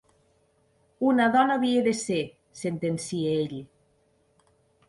Una dona havia de ser! –sentencia ell.